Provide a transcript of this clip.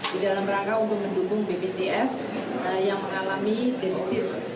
di dalam rangka untuk mendukung bpjs yang mengalami defisit